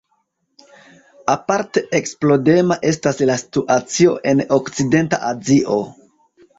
Aparte eksplodema estas la situacio en okcidenta Azio.